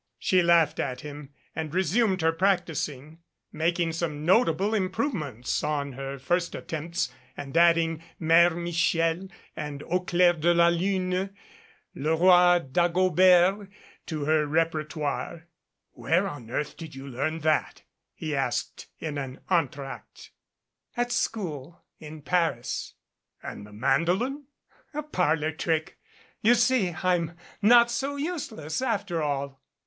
She laughed at him and resumed her practicing, making some notable improvements on her first attempts and add ing "Mere Michel" and "Au Claire de la Lune" "Le Roi Dagobert" to her repertoire. "Where on earth did you learn that?" he asked in an entr'acte. "At school in Paris." "And the mandolin?" "A parlor trick. You see, I'm not so useless, after all."